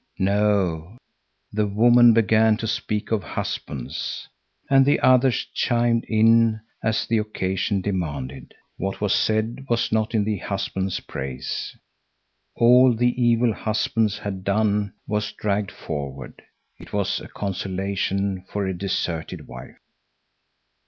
No, the woman began to speak of husbands. And the others chimed in, as the occasion demanded. What was said was not in the husbands' praise. All the evil husbands had done was dragged forward. It was as consolation for a deserted wife.